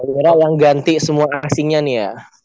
rawira orang ganti semua asingnya nih ya